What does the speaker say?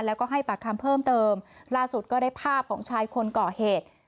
แล้วก็ให้ปากคำเพิ่มเติมล่าสุดก็ได้ภาพของชายคนก่อเหตุ